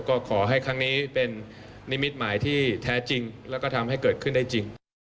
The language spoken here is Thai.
ก็ขอให้ครั้งนี้เป็นนิมิตหมายที่แท้จริงแล้วก็ทำให้เกิดขึ้นได้จริง